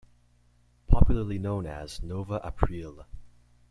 Popularly known as "Nova Aprile".